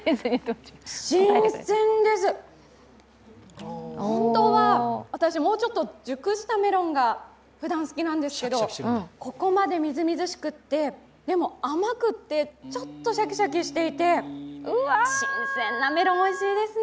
新鮮です、本当は私、もうちょっと熟したメロンがふだん好きなんですけど、ここまでみずみずしくって、でも甘くってちょっとシャキシャキしていて、新鮮なメロン、おいしいですね。